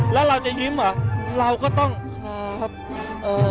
แล้วเราจะยิ้มเหรอเราก็ต้องครับเอ่อ